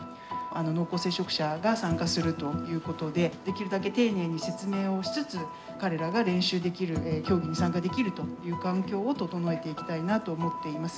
濃厚接触者が参加するということでできるだけ丁寧に説明をしつつ彼らが練習できる競技に参加できるという環境を整えていきたいなと思っています。